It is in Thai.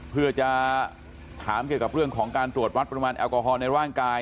เพื่อจะถามเกี่ยวกับเรื่องของการตรวจวัดปริมาณแอลกอฮอลในร่างกาย